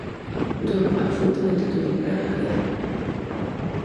Todo, absolutamente todo o emprego creado.